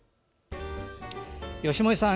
吉守さん